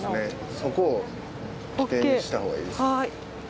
そこを起点にしたほうがいいですね。